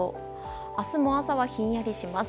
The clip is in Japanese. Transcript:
明日も朝はひんやりします。